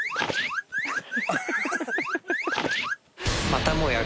またもや